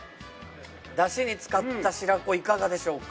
だしに漬かった白子いかがでしょうか？